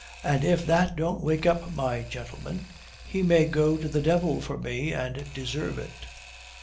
"And if that don't wake up my gentleman, he may go to the devil for me and deserve it."